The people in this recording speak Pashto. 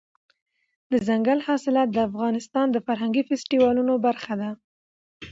دځنګل حاصلات د افغانستان د فرهنګي فستیوالونو برخه ده.